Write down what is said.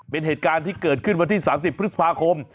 เป็นเหตุการณ์ที่เกิดขึ้นวันที่๓๐พฤษภาคม